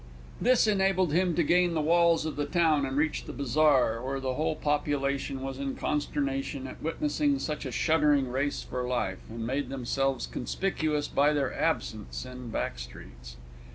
This enabled him to gain the walls of the town and reach the bazaar, where the whole population was in consternation at witnessing such a shuddering race for life, and made themselves conspicuous by their absence in back streets.